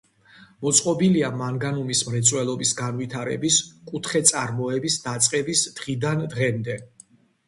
მოწყობილია მანგანუმის მრეწველობის განვითარების კუთხე წარმოების დაწყების დღიდან დღემდე.